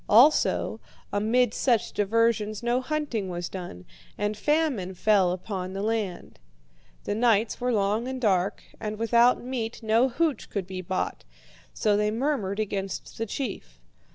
Also, amid such diversions no hunting was done, and famine fell upon the land. The nights were long and dark, and without meat no hooch could be bought; so they murmured against the chief.